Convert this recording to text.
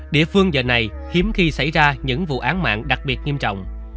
địa phương giờ này hiếm khi xảy ra những vụ án mạng đặc biệt nghiêm trọng